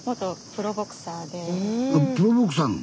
プロボクサーなの？